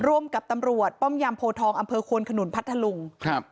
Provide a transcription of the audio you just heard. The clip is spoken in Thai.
ร่วมกับตำรวจป้อมยามโพทองอำเภอควนขนุนพัทธลุงครับ